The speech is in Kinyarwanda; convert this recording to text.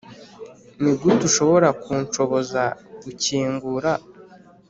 nigute ushobora kunshoboza gukingura.